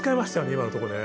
今のとこで。